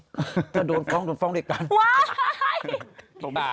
ถ้ะโดนฟ้องเดี๋ยวโดนฟ้องด้วยกันว้าย